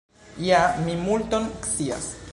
Ja mi multon scias.